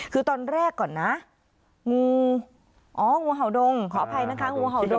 คือตอนแรกก่อนนะงูอ๋องูเห่าดงขออภัยนะคะงูเห่าดง